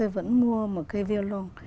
vẫn mua một cây violon